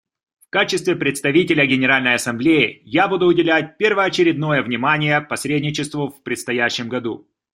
В качестве Председателя Генеральной Ассамблеи я буду уделять первоочередное внимание посредничеству в предстоящем году.